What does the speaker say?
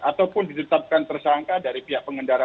ataupun ditetapkan tersangka dari pihak pengendara